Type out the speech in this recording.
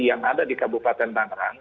yang ada di kabupaten tangerang